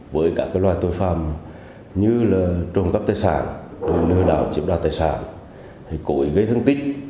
với các loài tội phạm như trồng cấp tài sản lừa đảo chiếm đoàn tài sản cổ ý gây thương tích